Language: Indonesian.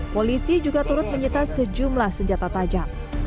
polisi juga turut menyita sejumlah senjata tajam